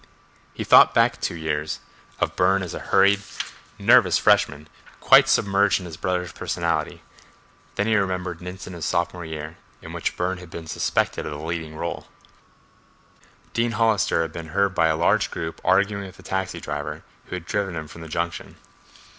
He thought back through two years, of Burne as a hurried, nervous freshman, quite submerged in his brother's personality. Then he remembered an incident of sophomore year, in which Burne had been suspected of the leading role. Dean Hollister had been heard by a large group arguing with a taxi driver, who had driven him from the junction.